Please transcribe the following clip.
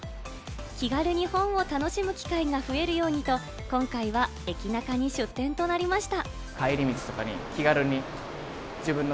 気軽に本を楽しむ機会が増えるようにと、今回は駅ナカに出店となりました。